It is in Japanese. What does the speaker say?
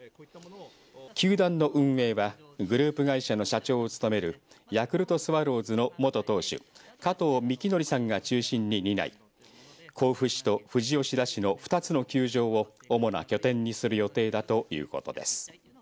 球団の運営はグループ会社の社長を務めるヤクルトスワローズの元投手加藤幹典さんが中心に担い甲府市と富士吉田市の２つの球場を主な拠点にする予定だということです。